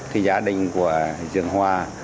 thì gia đình của trường hoa